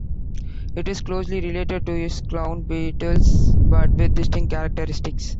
It is closely related to the clown beetles but with distinct characteristics.